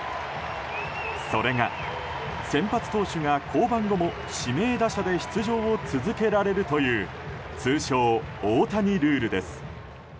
それが、先発投手が降板後も指名打者で出場を続けられるという通称、大谷ルールです。